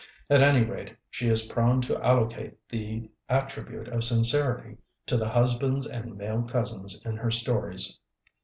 At any rate, she is prone to allocate the attribute of sincerity to the husbands and male cousins in her stories.